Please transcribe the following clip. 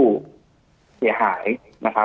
จนถึงปัจจุบันมีการมารายงานตัว